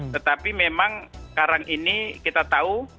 tetapi memang sekarang ini kita tahu